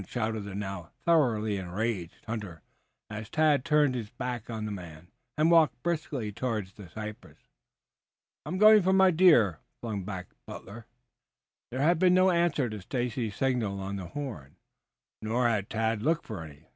shouted the now thoroughly enraged hunter as Tad turned his back on the man and walked briskly towards the cypress. "I am going for my doe," flung back Butler. There had been no answer to Stacy's signal on the horn, nor had Tad looked for any.